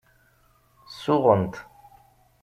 Suɣent.